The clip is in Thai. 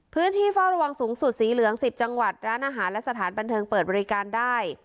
พื้นที่เฝ้าระวังสูงสุดสีเหลือง๑๐จังหวัดร้านอาหารและสถานบันเทิงเปิดบริการได้